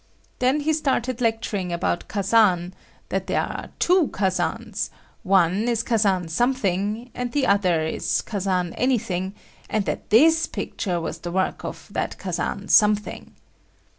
Then he started lecturing about Kazan, that there are two Kazans, one is Kazan something and the other is Kazan anything, and that this picture was the work of that Kazan something.